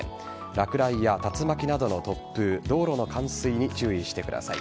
落雷や竜巻などの突風道路の冠水に注意してください。